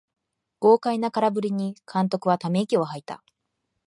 豪快な空振りに監督はため息をはいた